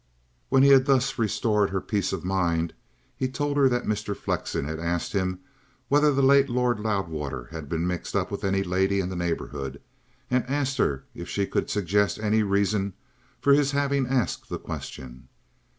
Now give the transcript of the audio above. When he had thus restored her peace of mind, he told her that Mr. Flexen had asked him whether the late Lord Loudwater had been mixed up with any lady in the neighbourhood, and asked her if she could suggest any reason for his having asked the question.